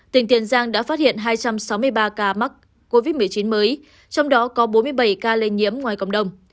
tỉnh tiền giang đã phát hiện hai trăm sáu mươi ba ca mắc covid một mươi chín mới trong đó có bốn mươi bảy ca lây nhiễm ngoài cộng đồng